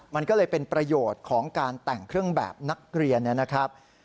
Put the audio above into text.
มันก็เลยเป็นประโยชน์ของการแต่งเครื่องแบบนักเรียนนะครับ